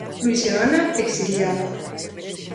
Luis Seoane exiliado.